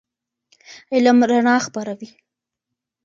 علم رڼا خپروي.